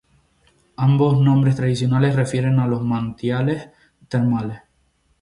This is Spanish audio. Ambos nombres tradicionales refieren a los manantiales termales.